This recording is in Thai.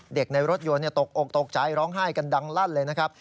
ในรถยนต์ตกอกตกใจร้องไห้กันดังลั่นเลยนะครับ